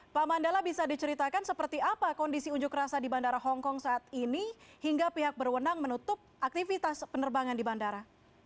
pak mandala bisa diceritakan seperti apa kondisi unjuk rasa di bandara hongkong saat ini hingga pihak berwenang menutup aktivitas penerbangan di bandara